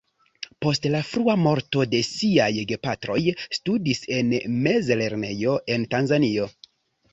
Post la frua morto de siaj gepatroj, studis en mezlernejo en Tanzanio.